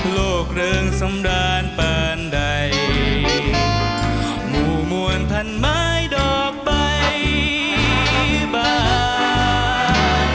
โลกเรืองสมดานเปินใดหมู่มวนพันม้ายดอกใบบาง